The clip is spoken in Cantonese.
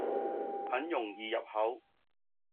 很容易入口